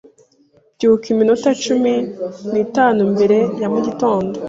Byuka iminota cumi n'itanu mbere ya mugitondo.